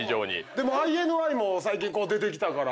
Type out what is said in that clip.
でもＩＮＩも最近出てきたから。